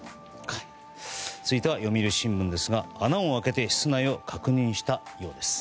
続いて、読売新聞ですが穴を開けて室内を確認したようです。